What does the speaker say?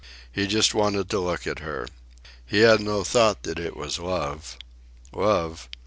He just wanted to look at her. He had no thought that it was love. Love?